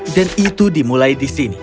itu dimulai di sini